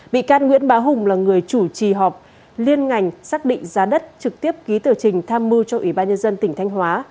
bị can nguyễn bá hùng là người chủ trì họp liên ngành xác định giá đất trực tiếp ký tờ trình tham mưu cho ủy ban nhân dân tỉnh thanh hóa